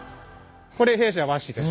これ弊社の和紙です。